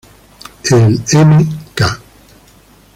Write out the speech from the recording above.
El "Mk.